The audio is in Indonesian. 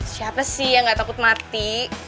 siapa sih yang gak takut mati